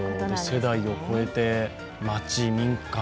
世代を越えて、町、民間、